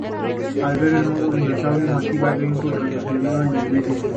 Al ver el modo de dinosaurio masiva de Grimlock, retrocedió en el miedo.